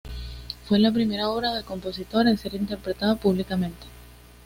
Fue la primera obra del compositor en ser interpretada públicamente.